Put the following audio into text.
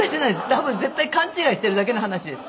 多分絶対勘違いしてるだけの話です。